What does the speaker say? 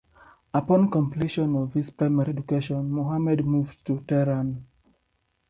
Upon completion of his primary education, Mohammad moved to Tehran.